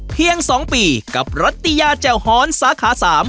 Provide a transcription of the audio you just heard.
เพียง๒ปีกับรัตติยาแจ่วฮรสาขา๓